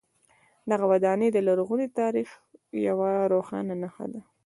دغه ودانۍ د لرغوني تاریخ یوه روښانه نښه ده.